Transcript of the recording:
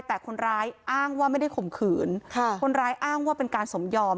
แต่คนร้ายอ้างว่าไม่ได้ข่มขืนค่ะคนร้ายอ้างว่าเป็นการสมยอม